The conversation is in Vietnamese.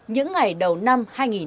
những ngày đầu năm hai nghìn hai mươi bốn